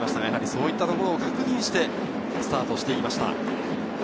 そういったところを確認してスタートしていました。